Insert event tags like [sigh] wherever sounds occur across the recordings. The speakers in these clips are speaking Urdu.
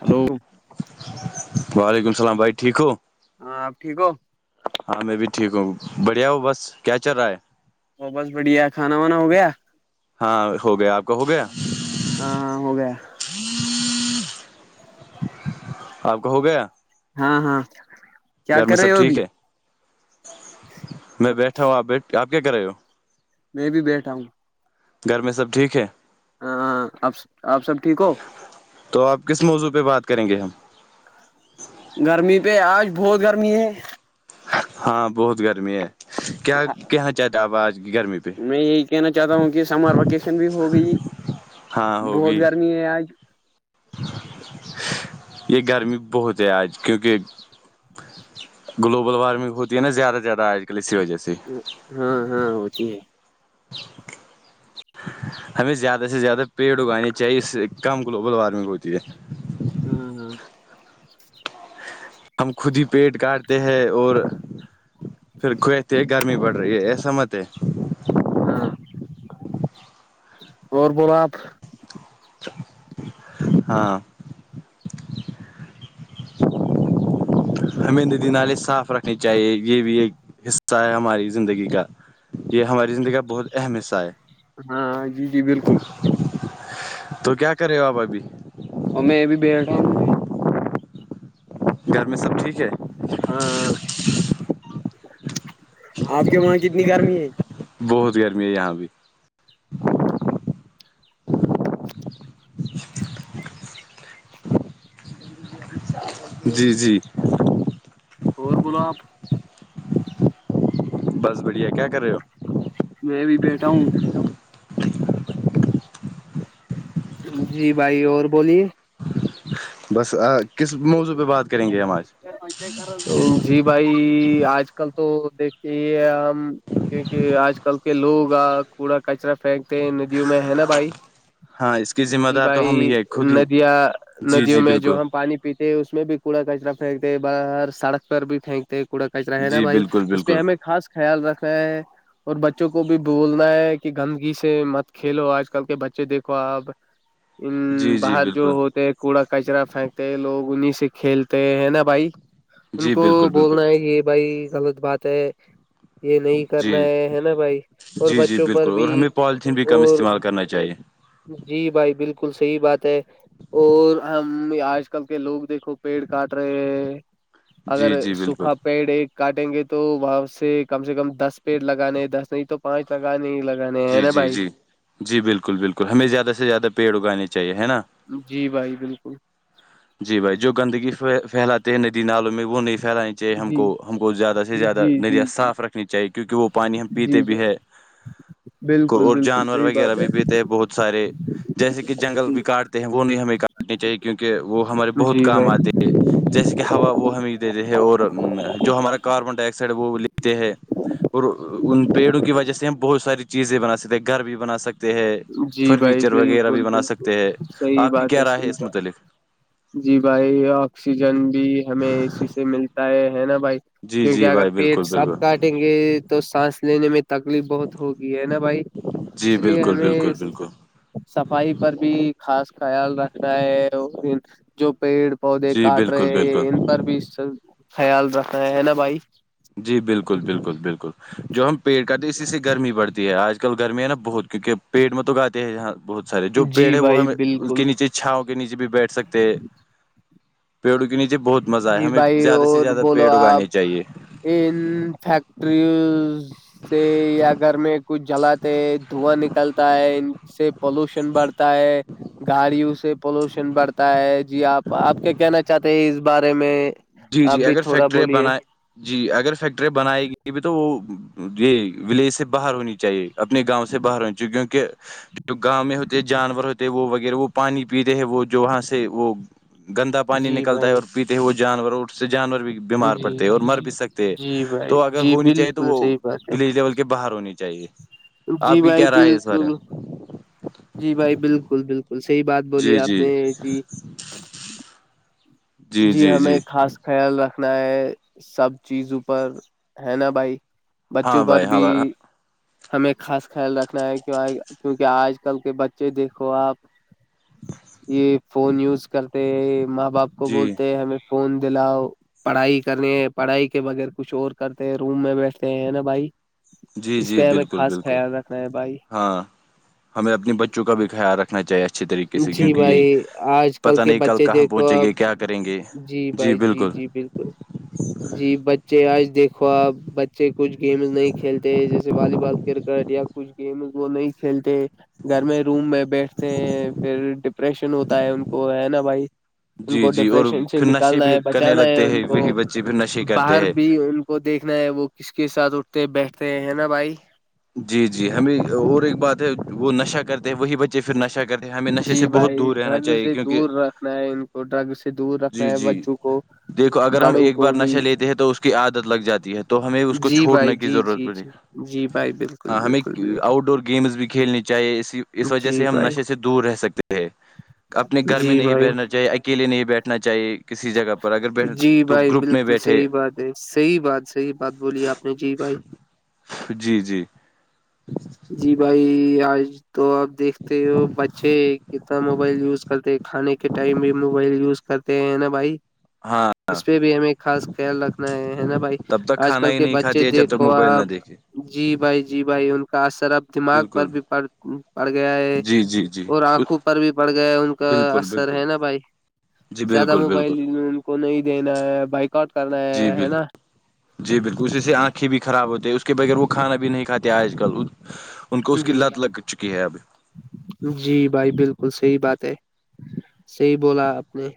ہلو وعلیکم السلام بھائی ٹھیک ہو ہاں آپ ٹھیک ہو ہاں میں بھی ٹھیک ہوں بڑھیا ہوں بس کیا چل رہا ہے وہ بس بڑیا کھانا وانا ہو گیا ہاں ہو گیا آپ کا ہو گیا ہاں ہاں ہو گیا آپ کا ہو گیا ہاں ہاں کیا گھر میں کر رہے سب ہو ٹھیک ابھی ہے میں بیٹھا ہوں آپ بی آپ کیا کر رہے ہو میں بھی بیٹھا ہوں گھر میں سب ٹھیک ہے ہاں آپ آپ سب ٹھیک ہو تو آپ کس موضوع پہ بات کریں گے ہم گرمی پہ آج بہت گرمی ہے ہاں بہت گرمی ہے کیا کیااں چاہتا اب آج کی گرمی پہ میں یہی کہنا چاہتا ہوں کہ سمر ویکیشن بھی ہو گئی ہاں بہت ہوگئی گرمی ہے آج یہ گرمی بہت ہے آج کیونکہ گلوبل وارمنگ ہوتی ہے نا زیادہ زیادہ آج کل اسی وجہ سے ہاں ہاں ہوتی ہے ہمیں زیادہ سے زیادہ پیڑ اگانے چاہیے اس سے کم گلوبل وارمنگ ہوتی ہے ہوں ہوں ہم خود ہی پیٹ کاٹتے ہیں اور پھر کھوئےتے گرمی پڑ رہی ہے ایسا مت ہے ہاں اور بلاو آپ ہاں ہمیں ندی نالے صاف رکھنے چاہیے یہ بھی ایک حصہ ہے ہماری زندگی کا یہ ہماری زندگی کا بہت اہم حصہ ہاں جی جی ہے بالکل تو کیا کرے ہو آپ ابھی اور میں ا بھی بیٹھا ہوں گھر میں سب ٹھیک ہے ہاں آپ کے وہاں کتنی گرمی ہے بہت گرمی ہے یہاں بھی جی جی اور بولو آپ بس بڑھیا کیا کر رہے ہو میں بھی بیٹھا ہوں جی بھائی اور بولیے بس کس موضوع پہ بات کریں گے ہم آج جی بھائی آج کل تو دیکھے کیونکہ آج کل کے لوگ آ کوڑا کچرا پھینکتے ہیں ندیوں میں ہے نا بھائی ہاں اس کی ذمہ جی دار تو ہم بھائی ہی ہے خود ہی ندیاں جی ندیوں جی میں بالکل جو ہم پانی پیتے اس میں بھی کوڑا کچرا پھینکتے باہر سڑک پر بھی پھینکتے کوڑا کچ رہا ہے نا جی بھائی بالکل اس پہ بالکل ہمیں خاص خیال رکھنا ہے اور بچوں کو بھی بولنا ہے کہ گندگی سے مت کھیلو آج کل کے بچے دیکھو آپ ا جی جی باہر جو بالکل ہوتے ہے کوڑا کچرا پھینک لوگ انیں سے کھیلتے ہیں نا بھائی ان جی کو بالکل بالکل بولنا ہے یہ بھائی غلط بات ہے یہ نہیں جی کرنا ہے ہے نا بھائی اور جی جی بچوں پر بالکل بھی اور ہمیں پالیتھین بھی کم اور استعمال کرنا چاہیے جی بھائی بالکل صحیح بات ہے اور ہم آج آج کل کے لوگ دیکھو پیڑ کاٹ رہے ہیں اگر جی جی بالکل سوکھا پیڑ ایک کاٹیں گے تو وہاں سے کم سے کم دس پیڑ لگانے دس نہیں تو پانچ لگانے لگ جی جی جی جی بالکل بالکل ہمیں زیادہ سے زیادہ پیڑ اگانے چاہیے ہے نا جی بھائی بالکل جی بھائی جو گندگی پھیلاتے ہیں ندی نالوں میں وہ نہیں پھیلانی چاہے ہم جی کو ہم کو زیادہ زیادہ جی جی ندیاں صاف رکھنی چاہیے کیونکہ وہ پانی ہم جی پیتے بھی بھائی ہے بالکل اور بالکل جانور صحیح وغیرہ بات بھی پ بہت سارے ہے جیسے کہ جنگل جی بھی کاٹتے ہیں وہ نہیں ہمیں کاٹنی چاہیے کیونکہ وہ ہمارے بہت جی کام آتے ہیں جیسے کہ ہوا وہ ہمیں دیتے ہے اور جو ہمارا کاربن ڈائی آکسائڈ وہ لیتے ہے اور ان بھائی پیڑوں کی وجہ سے ہم بہت ساری چیزیں بنا سکتے ہیں گھر بھی بنا سکتے ہے جی بھائی فرنیچر وغیرہ بھی بالکل بنا سکتے ہیں بالکل صحیح آپ کی بات کیا رائے ہے صحیح اس بات متعلق جی بھائی آکسیجن بھی ہمیں ای سے ملتا ہے ہے نا بھائی جی کیونکہ جی اگر بھائی بالکل پیٹ سب کا بالکل یں گے تو سانس لینے میں تکلیف بہت ہوگی ہے نا بھائی جی اس لیے بالکل ہمیں بالکل بالکل صفائی پر بھی خاص خیال رکھنا ہے جو پیڑ پودے جی کاٹ بالکل بالکل رہے ان پر بھی س خیال رکھے ہے نا بھائی جی بالکل بالکل بالکل جو ہم پیڑ کاتے ہیں اسی سے گرمی پڑتی ہے آج کل گرمی ہے نا بہت کیونکہ پیڑ میں تو گاتے ہیںاں بہت سارے جو پیڑ جی ہے وہ بھائی ہم اس بالکل کے نیچے چھاؤوں کے نیچے بھی بیٹھ سکتے ہیں پیڑوں کے نیچے بہت مزہ آئے جی ہمیں بھائی زیادہ سے اور زیادہ بولو پیڑ آپ اگانے چاہیے ان فیکٹریوں سے یا گھر میں کچھ چلاتے ہیں دھواں نکلتا ہے ان سے پولوشن بڑھتا ہے گاڑیوں سے پولوشن بڑھتا ہے جی آپ آپ کیا کہنا چاہتے ہیں اس بارے میں جی آپ جی بھی اگر تھوڑا فیکٹرییا بولیے بنائے جی اگر فیکٹریاں بنائی گئی بھی تو وہ یہ ولیج سے باہر ہونی چاہیے اپنے گاؤں سے باہر ہو کیونک گاؤں میں ہوتے جانور ہوتے وہ وہ پانی پیتے ہیں وہ جو وہاں سے وہ گندا پانی جی نکلتا ہے بھائی اور پیتے ہیں وہ جو جانورھ سے جانور بھی بیمار جی پڑتے ہے جی اور مر جی بھی سکتے ہیں جی بھائی تو اگر جی ہونی چاہیے تو بالکل وہ صحیح بات ہے ولیج لیول کے باہر ہونی چاہیے جی آپ کی بھائی کیا رائے ہے اس بارے بالکل میں جی بھائی بالکل بالکل صحیح بات بولی جی آپ جی نے جی جی ہمیں خاص خیال رکھنا ہے سب چیزوں پر ہے نا بھائی ہاں بچوں پر بھائی ہاں بھی بھائی ہمیں خاص خیال رکھنا ہے کی کیونکہ آج کل کے بچے دیکھو آپ یہ فون یوز کرتے ہیں ماں باپ کو جی بولتے ہیں ہمیں فون دلاؤ پڑھائی کرنی ہیں پڑھائی کے بغیر کچھ اور کرتے ہیں روم میں بیٹھتے ہیں نا بھائی جی اس جی پہ ہمیں بالکل خاص بالکل خیال رکھنا ہے بھائی ہاں ہمیں اپنے بچوں کا بھی خیال رکھا ہو چاہیے اچھے طریقے سے جی کیونکہ یہ بھائی آج پتہ کے نہیں کل بچے کہاں دیکھو پہنچیں اب گے کیا کریں گے جی بھائی جی جی بالکل جی ب بچے آج دیکھو آپ بچے کچھ گیمز نہیں کھیلتے جیسے جیسے والی بال کرکٹ یا کچھ گیم وہ نہیں کھیلتے گھر میں روم میں بیٹھتے ہیں پھر ڈپریشن ہوتا ہے ان کو ہے نا بھائی ان جی کو جی اور ڈپریشن سے پھر نشے نکالنا بھی ہے کرنے بچانا ہے لگتے ان ہیں کو وہی بچے پھر نشے کرتے باہر ہیں بھی ان کو دیکھنا ہے وہ کس کے ساتھ اٹھتے بیٹھتے ہیں ہے نا بھائی جی جی ہمیں اور ایک بات ہے وہ نشہ کرتے ہیں وہی بچے پھر نشہ کرتے ہیں ہمیں نشے جی سے بہت بھائی دور رہنا ڈرگ چاہیے سے کیونکہ دور رکھنا ہے ان کو ڈرگ سے دور رکھنا جی ہے جی بچوں کو دیکھو اگر ہم بڑوں ایک کو بار بھی نشہ لیتے ہیں تو اس کی عادت لگ جاتی ہے تو ہمیں اس کو جی بھائی چھوڑنے کی جی ضرورت جی پڑی جی جی بھائی بالکل ہاں ہمیں بالکل بالکل آؤٹ ڈور گیمز بھی کھیلنی چاہیے اسی اس وجہ جی سے ہم بھائی نشے سے دور رہ سکتے ہیں اپنے گھر میں جی نہیں بھائی بیٹھنا چاہیے اکیلے نہیں بیٹھنا چاہیے کسی جگہ پر اگر بیٹھ تو گروپ میں بیٹھے سحی بات صحی بات بولی آپ نے جی بھائی جی جی جی بھائی آج تو اب دیکھتے ہو بچے کتنا موبائل یوز کرتے کھانے کے ٹائم بھی موبائل یوز کرتے ہیں نا بھائی ہاں اس پہ بھی ہمیں خاص خیال رکھنا ہے ہے نا بھائی تب تک آج کھانا کل ہی کے نہیں بچے کھاتی ہے جب دیکھ موبائل نہ دیکے جی بھائی جی بھائی ان کا اثر اب دماغ پر بالکل بھی پڑ پڑ گیا ہے جی جی جی اور آنکھوں پر بھی پڑ گیا ہے ان کا بالکل اثر بالکل ہے نا بھائی جی زیادہ بالکل موبائل بالکل ان کو نہیں دینا ہے بائک آؤٹ کرنا جی ہے ہے بالکل نا جی بالکل اسی سے آنکھیں بھی خراب ہوتی ہیں اس کے بغیر وہ کھانا بھی نہیں کھاتے آج کل ان کو اس کی جی لت لگ چکی ہے ابھی جی بھائی بالکل صحی بات ہے صحی بولا آپ نے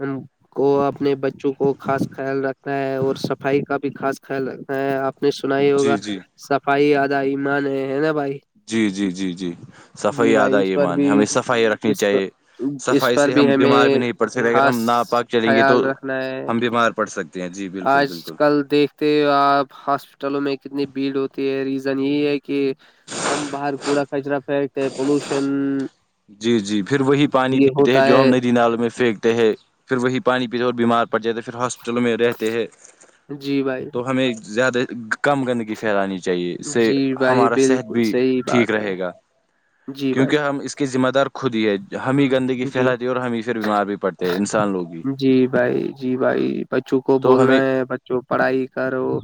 ہم کو اپنے بچوں کو خاص خیال رکھنا ہے اور صفائی کا بھی خاص خیال رکھنا ہے آپ آ نے سنا ہی ہوگا جی جی صفائی آدا ایمان ہے ہے نا بھائی جی جی جی جی جی صفائی بھائی آدھا اس یہ پر مان ہے بھی ہمیں صفائی رکھنی اس پر چاہیے اس صفائی پر سے بھی ہم بیمار ہمیں بھی نہیں پڑ سکتےے اگر خاص ہم نہا پاک چلیں گے تو خیال رکھنا ہے ہم بیمار پڑ سکتے ہیں جی بالکل آج بالکل کل دیکھ ہاسپٹلوں میں کتنی بھیڑ ہوتی ہے ریزن یہی ہے کہ ہم باہر کوڑا کچرا پھینکتے پولوشن جی جی پھر وہی پانی یہ پیتے ہیں ہوتا جو ہم ہے ندی نالوں میں پھینکتے ہیں پھر وہی پانی پیتے اور بیمار پ جات پھر ہاسپٹل میں رہتے ہیں جی بھائی تو ہمیں زیادہ کم گندگی پھیلانی چاہیے اس سے جی بھائی ہمارا صحت بالکل بھی صحیح ٹھیک بات ہے رہے گا جی بھائی کیونکہ ہم اس کے ذمہ دار خود ہی ہے ہمیں گندگی جی پھیلاتی ہے اور ہمیں پھر بیمار بھی پڑتے ہیں انسان لوگ ہی جی بھائی جی بھائی بچوں کو تو بولنا ہمیں ہے بچوں پڑھائی کرو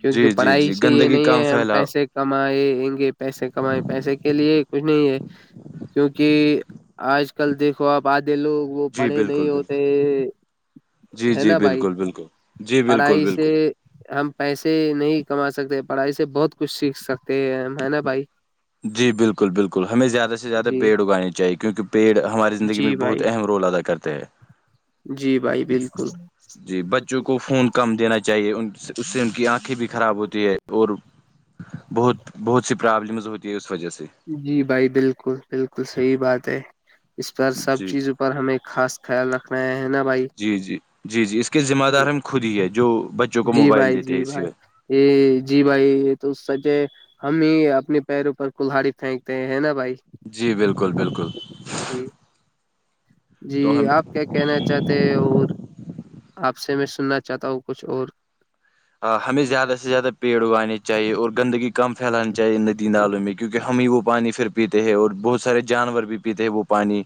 کیونکہ جی جی پڑھائی جی سے یہ گندگی نہیں کام ہے ہم پھیلاؤ پیسے کمائیں گے پیسے کمائےیں پیسے کے لیے کچھ نہیں ہے کیونکہ آج کل دیکھو آپ آدے لوگ وہ جی پڑے بالکل نہیں بالکل ہوتے جی ہے جی نا بھائی بالکل بالکل جی بالکل پڑھائی سے بالکل ہم پیسے نہیں کما سکتے پڑھائی سے بہت کچھ سیکھ سکتے ہیں ہے نا بھائی جی بالکل بالکل ہمیں زیادہ سے زیادہ جی پیڑ اگانے چاہیے کیونکہ پیڑ ہماری زندگی میں جی بھائی بہت اہم رول ادا کرتے ہیں جی بھائی بالکل جی بچوں کو فون کم دینا چاہیے ان سے اس سے ان کی آنکھیں بھی خراب ہوتی ہے اور بہت بہت سی پرابلمز ہوتی ہے اس وجہ سے جی بھائی بالکل بالکل صحیح بات ہے اس پر سب جی چیزوں پر ہمیں خاص خیال رکھناے ہے نا بھائی جی جی جی جی اس کے ذمہ دار ہم خود ہی ہے جو بچوں کو جی موبائل بھائی دیتے ہیں جی اسی بھائی وقت یہ جی بھائی یہ تو سچ ہے ہم ہی اپنے پیروں پر کلہڑی پھینکتے ہیں نا بھائی جی بالکل بالکل جی جی تو ہم آپ کیا کہنا چاہتے ہیں اور آپ سے میں سننا چاہتا ہوں کچھ اور ہمیں زیادہ سے زیادہ پیڑ اگانے چاہیے اور گندگی کم پھیلانی چاہیے ندی نالوں میں کیونوںکہ ہم ہی وہ پانی پھر پیتے ہیں اور بہت سارے جانور بھی پیتے ہیں وہ پانی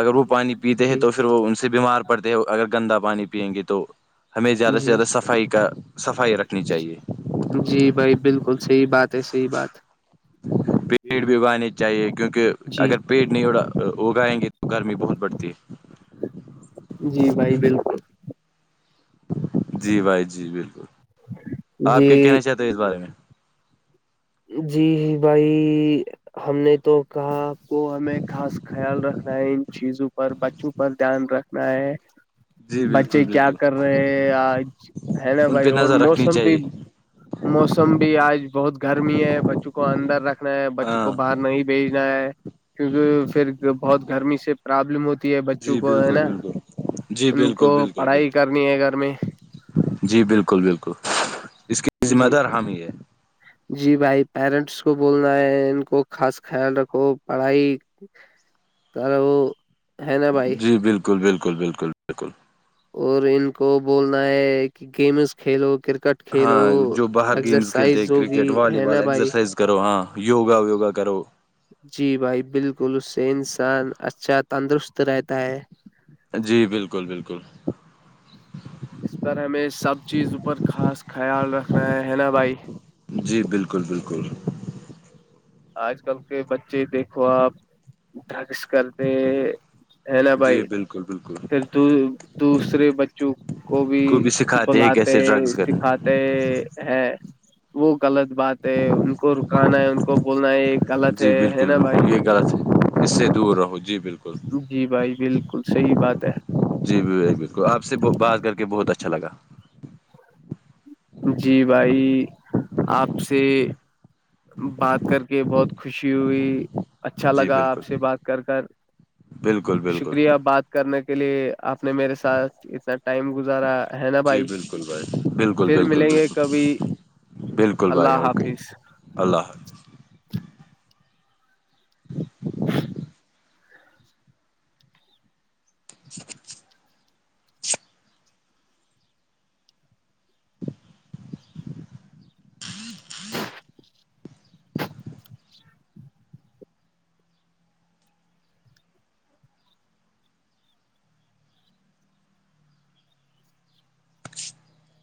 اگر وہ پانی پیتے ہیں جی تو پھر وہ ان سے بیمار پڑتے ہے اگر گندا پانی پیئیں گے تو ہمیں زیادہ سے جی زیادہ صفائی کا صفائی رکھنی چاہیے جی بھائی بالکل صحی بات ہے صحی بات پیڑ بھی اگانے چاہیے کیونکہ جی اگر پیڑ نہیں اڑا اگائیں گے تو گرمی بہت پڑتی ہے جی بھائی بالکل جی بھائی جی بالکل آپ کیا جی کہنا چاہتے ہو اس بارے میں جی بھائی ہم نے تو کہا آپ کو ہمیں خاص خیال رکھنا ہے ان چیزوں پر اوپر دھیان رکھنا ہے جی بالکل بچے کیا بالکل کر رہے آج ہے نا ان بھائی پہ اور نظر رکھنی موسم بھی چاہیے موسم بھی آج بہت گرمی ہے بچوں کو اندر رکھنا ہے بچوں کو ہاں ب نہیں بھیجنا ہے کیونکہ پھر بہت گرمی سے پرابلم ہوتی ہے بچوں جی کو ہے بالکل نا بالکل جی ان کو بالکل بالکل بالکل پڑھائی کرنی ہے گھر میں جی بالکل بالکل اس کی ذمہ جی دار حام ہی ہے جی بھائی پیرنٹس کو بولنا ہے ان کو خاص خیال رکھو پڑھائی تار وہ [unintelligible] جی بالکل بالکل بالکل بالکل اور ان کو بولنا ہے کہ گیمز کھیلو کرکٹ کھیلو ہاں جو باہر گیمز کھیلتے ہیں ایکسرسائز ہوگی کرکٹ والی ہے نا بال بھائی ایکزرسائز کرو ہاں یوگا یوگا کرو جی بھائی بالکل اس سے انسان اچھا تندرست رہتا ہے جی بالکل بالکل اس پر ہمیں سب چیز پر خاص خیال رکھنا ہے ہے نا بھائی جی بالکل بالکل آج کل کے بچے دیکھو آپ ڈرگس کر پ ہیلا بھائی جی بالکل بالکل پھر دوسرے بچوں کو بھی سکھاتے ہیں بلاتے کیسے ڈرگس کرنے سکھات ہے وہ غلط بات ہے ان کو رکانا ہے ان کو بولنا ہے یہ غلط جی ہے ہے بالکل نا بھائی بالکل یہ غلط ہے اس سے دور رہو جی بالکل جی بھائی بالکل صحیح بات ہے جی بالکل آپ سے بات کر کے بہت اچھا لگا جی بھائی آپ سے بات کر کے بہت خوشی ہوئی اچھا جی لگا بالکل آپ سے بات کر کر بالکل بالکل شکریہ بات کرنے کے لیے آپ نے میرے ساتھ اتنا ٹائم گزارا ہے نا جی بھائی بالکل بھائی بالکل پھر بالکل ملیں گے کبھی بالکل بالکل بھائی اللہ اوکے حافظ اللہ حافظ [inaudible] ہوں ہوں [inaudible]